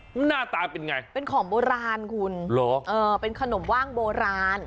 หน้าตาเป็นไงเป็นของโบราณคุณเป็นขนมว่างโบราณ